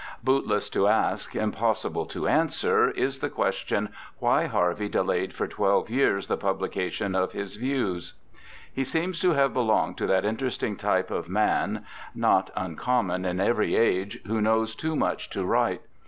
Bootless to ask, impossible to answer, is the question why Harvey delayed for twelve years the publication HARVEY 317 of his views. He seems to have belonged to that interesting type of man, not uncommon in every age, who knows too much to write.